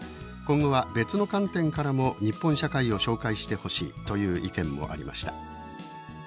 「今後は別の観点からも日本社会を紹介してほしい」という意見もありました。